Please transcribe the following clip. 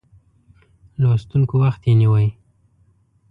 لوستونکو وخت یې نیوی.